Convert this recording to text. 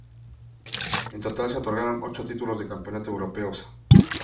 En total se otorgaron ocho títulos de campeón europeo.